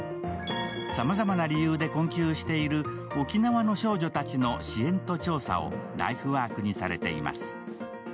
さまざまな理由で困窮している沖縄の少女たちの支援と調査をライフワークにされています。